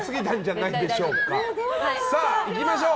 さあ、いきましょう。